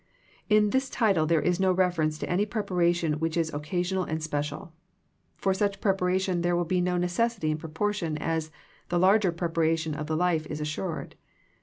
In this title there is no reference to any preparation which is occasional and special. For such preparation there will be no necessity in proportion as the larger preparation of the life is assured.